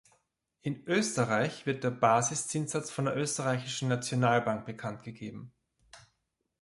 In Österreich wird der Basiszinssatz von der Oesterreichischen Nationalbank bekanntgegeben.